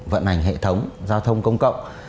vận hành hệ thống giao thông công cộng